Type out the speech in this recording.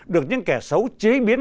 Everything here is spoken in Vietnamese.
được những kẻ xấu chế biến